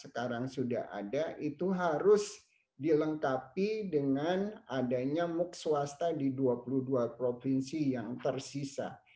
sekarang sudah ada itu harus dilengkapi dengan adanya muk swasta di dua puluh dua provinsi yang tersisa